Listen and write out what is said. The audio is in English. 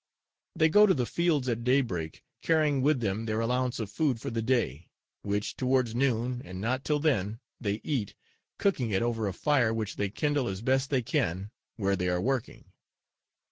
They go to the fields at daybreak, carrying with them their allowance of food for the day, which towards noon, and not till then, they eat, cooking it over a fire, which they kindle as best they can, where they are working.